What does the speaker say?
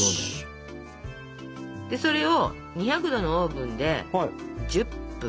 それを２００℃のオーブンで１０分！